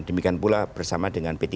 demikian pula bersama dengan p tiga